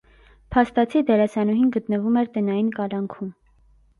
Փաստացի դերասանուհին գտնվում էր տնային կալանքում։